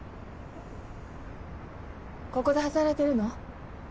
ここで働いてるの？